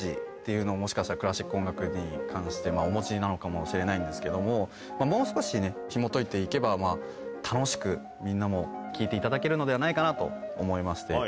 いうのをもしかしたらクラシック音楽に関してお持ちなのかもしれないんですけどももう少しひもといて行けば楽しくみんなも聴いていただけるのではないかなと思いまして。